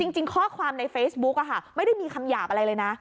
จริงข้อความในเฟซบุ๊กไม่ได้มีคำหยาบอะไรเลยนะ